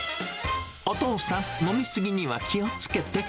お父さん、飲み過ぎには気をつけて。